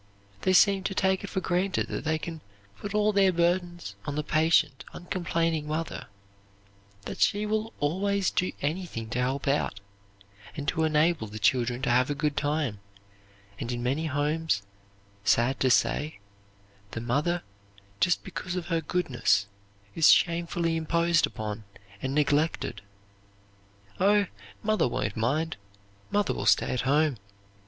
They seem to take it for granted that they can put all their burdens on the patient, uncomplaining mother; that she will always do anything to help out, and to enable the children to have a good time; and in many homes, sad to say, the mother, just because of her goodness, is shamefully imposed upon and neglected. "Oh, mother won't mind, mother will stay at home."